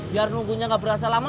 biar nunggunya gak berasa lama